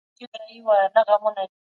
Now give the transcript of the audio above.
اسلام د پانګې وېش په سمه توګه کوي.